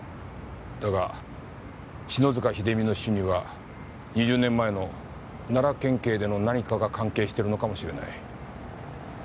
だが篠塚秀実の死には２０年前の奈良県警での何かが関係してるのかもしれない。